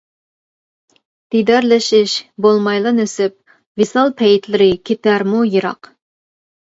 دىدارلىشىش بولمايلا نېسىپ، ۋىسال پەيتلىرى كېتەرمۇ يىراق.